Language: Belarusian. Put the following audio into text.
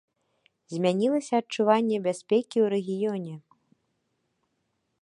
Змянілася адчуванне бяспекі ў рэгіёне.